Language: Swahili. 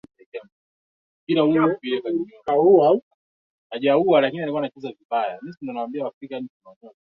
Rais wa Zanzibar Hussein Mwinyi spika wa jamhuri wa muungano Job Ndugai